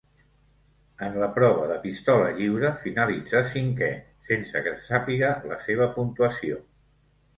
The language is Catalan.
En la prova de pistola lliure finalitzà cinquè, sense que se sàpiga la seva puntuació.